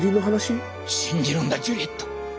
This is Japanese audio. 信じるんだジュリエット！